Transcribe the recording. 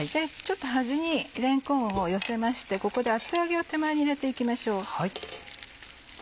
ちょっと端にれんこんを寄せましてここで厚揚げを手前に入れて行きましょう。